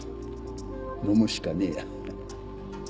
飲むしかねえやハハ。